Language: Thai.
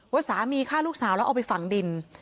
ว่าสามีฆ่าลูกสาวแล้วเอาไปฝังดิน